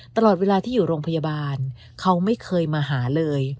ตลอดเวลาที่อยู่โรงพยาบาลเขาไม่เคยมาหาเลย